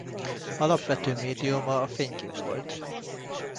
Alapvető médiuma a fénykép volt.